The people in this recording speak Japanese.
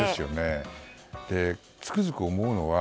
つくづく思うのは